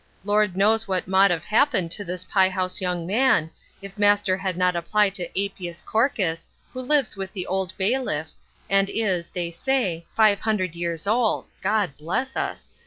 Lord knows what mought have happened to this pyehouse young man, if master had not applied to Apias Korkus, who lives with the ould bailiff, and is, they say, five hundred years old (God bless us!)